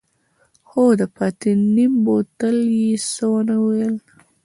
خو د پاتې نيم بوتل يې څه ونه ويل.